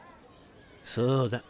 そうだ。